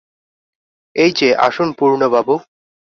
এই-যে, আসুন পূর্ণবাবু!